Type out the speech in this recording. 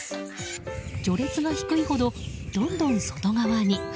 序列が低いほど、どんどん外側に。